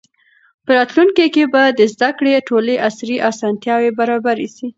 په راتلونکي کې به د زده کړې ټولې عصري اسانتیاوې برابرې سي.